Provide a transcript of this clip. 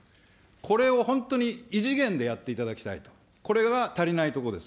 これを本当に異次元でやっていただきたいと、これが足りないとこです。